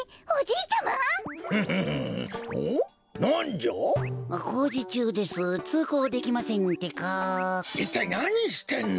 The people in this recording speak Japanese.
いったいなにしてんの？